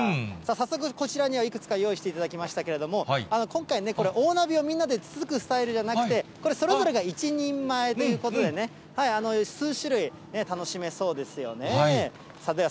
さあ、早速こちらにはいくつか用意していただきましたけれども、今回、これ、大鍋をみんなでつつくスタイルじゃなくて、これ、それぞれが１人前ということでね、数種類楽しめそうですよね。